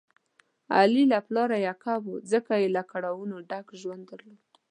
علي له پلاره یکه و، ځکه یې له کړاو نه ډک ژوند درلود.